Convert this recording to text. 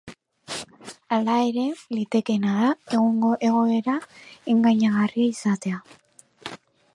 Hala ere, litekeena da egungo egoera engainagarri izatea.